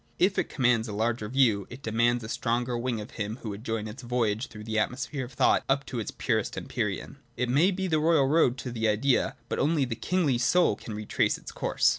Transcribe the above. If it commands a larger view, it de mands a stronger wing of him who would join its voyage through the atmosphere of thought up to its purest empyrean. It may be the royal road to the Idea, but only a kingly soul can retrace its course.